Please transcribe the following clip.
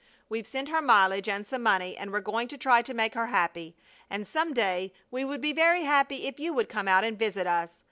We've sent her mileage and some money, and we're going to try to make her happy. And some day we would be very happy if you would come out and visit us.